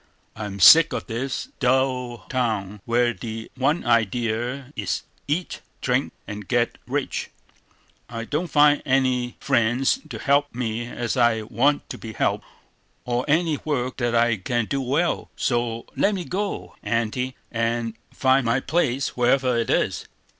I'm sick of this dull town, where the one idea is eat, drink, and get rich; I don't find any friends to help me as I want to be helped, or any work that I can do well; so let me go, Aunty, and find my place, wherever it is."